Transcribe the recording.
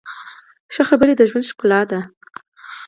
ښه خبرې د ژوند ښکلا ده.